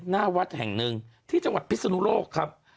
หน้าวัดแห่งหนึ่งที่จังหวัดพิศนุโลกครับ